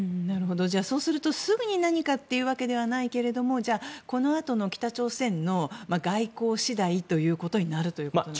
じゃあ、そうするとすぐに何かというわけではないけれどもこのあとの北朝鮮の外交次第になるということですね。